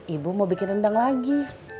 ibu mau bikin rendang lagi